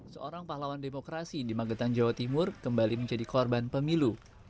seorang pahlawan demokrasi di magetan jawa timur kembali menjadi korban pemilu